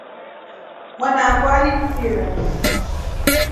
Mwana akwa aliishira.